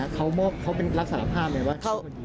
เขาเป็นรับสารภาพไหมว่าเขาเป็นคนยิง